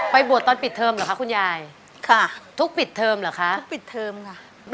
ไปบวชตอนปิดเทอมเหรอคะคุณยายค่ะทุกปิดเทอมเหรอคะทุกปิดเทอมค่ะ